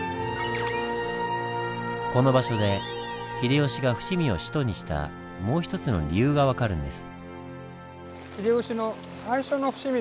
この場所で秀吉が伏見を首都にしたもうひとつの理由が分かるんです。